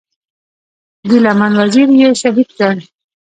ګيله من وزير یې شهید کړ.